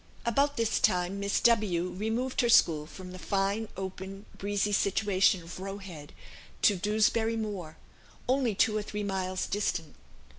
About this time Miss W removed her school from the fine, open, breezy situation of Roe Head, to Dewsbury Moor, only two or three miles distant.